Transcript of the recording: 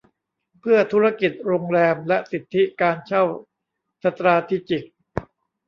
เพื่อธุรกิจโรงแรมและสิทธิการเช่าสตราทีจิก